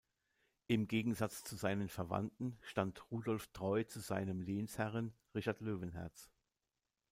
Im Gegensatz zu seinen Verwandten stand Rudolf treu zu seinem Lehnsherren Richard Löwenherz.